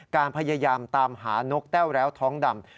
การพยายามตามหานกแต้วแล้วท้องดำ